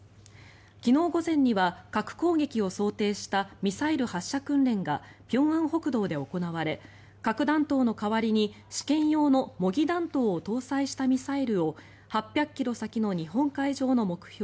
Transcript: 昨日午前には核攻撃を想定したミサイル発射訓練が平安北道で行われ核弾頭の代わりに試験用の模擬弾頭を搭載したミサイルを８００ｋｍ先の日本海上の目標